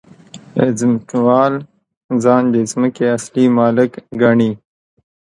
ځمکوال ځان د ځمکې اصلي مالک ګڼي